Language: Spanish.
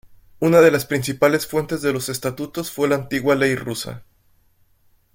Una de las principales fuentes de los estatutos fue la antigua ley rusa.